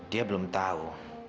dia belum tau